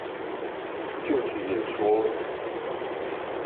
就職演說